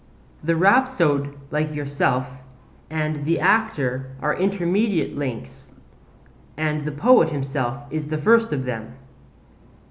The rhapsode like yourself and the actor are intermediate links, and the poet himself is the first of them.